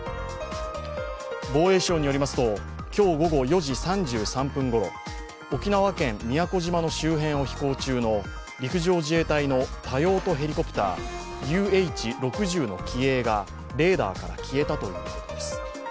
防衛省によりますと今日午後４時３３分ごろ沖縄県宮古島の周辺を飛行中の陸上自衛隊の多用途ヘリコプターＵＨ６０の機影がレーダーから消えたということです。